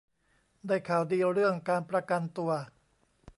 ได้ข่าวดีเรื่องการประกันตัว